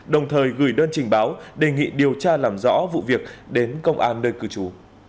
đồng thời gửi đơn trình báo đề nghị điều tra làm rõ vụ việc đến công an nơi cư trú